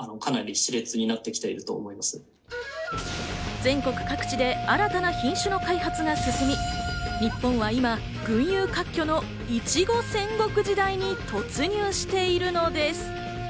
全国各地で新たな品種の開発が進み、日本は今、群雄割拠のいちご戦国時代に突入しているのです。